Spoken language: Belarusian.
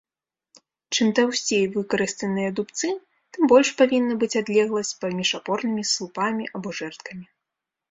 Чым таўсцей выкарыстаныя дубцы, тым больш павінна быць адлегласць паміж апорнымі слупамі або жэрдкамі.